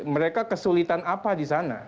mereka kesulitan apa disana